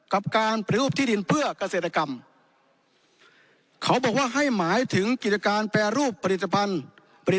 เกษตรกรรมเขาบอกว่าให้หมายถึงกิจการแปรรูปผลิตภัณฑ์